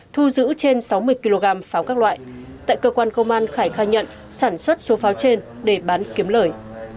thu giữ trên sáu mươi kg pháo các loại tại cơ quan công an khải khai nhận sản xuất số pháo trên để bán kiếm lời